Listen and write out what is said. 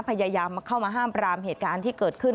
พยายามเข้ามาห้ามปรามเหตุการณ์ที่เกิดขึ้น